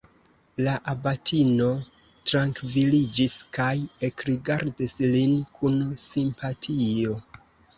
La abatino trankviliĝis kaj ekrigardis lin kun simpatio.